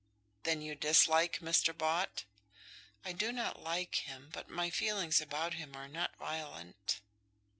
"Then you dislike Mr. Bott?" "I do not like him, but my feelings about him are not violent."